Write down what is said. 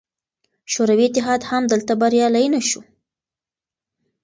شوروي اتحاد هم دلته بریالی نه شو.